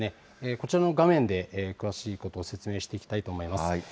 こちらの画面で詳しいことを説明していきたいと思います。